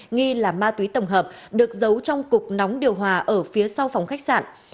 nghi là ma túy tổng hợp được giấu trong cục nóng điều hòa ở phía sau phòng khách sạn